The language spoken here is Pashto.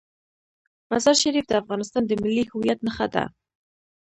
مزارشریف د افغانستان د ملي هویت نښه ده.